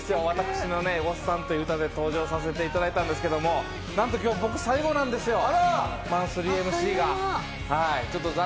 私の『おっさん』という歌で登場させていただいたんですけど、なんと今日、僕最後なんですよ、マンスリーＭＣが。